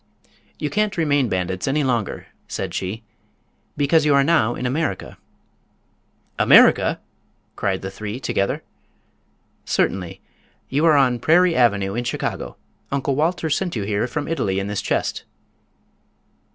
"You can't remain bandits any longer," said she, "because you are now in America." "America!" cried the three, together. "Certainly. You are on Prairie avenue, in Chicago. Uncle Walter sent you here from Italy in this chest."